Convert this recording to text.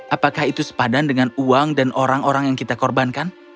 apakah itu sepadan dengan uang dan orang orang yang kita korbankan